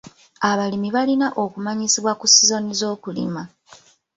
Abalimi balina okumanyisibwa ku sizoni z'okulima.